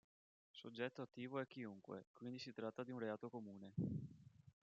Soggetto attivo è chiunque, quindi si tratta di un reato comune.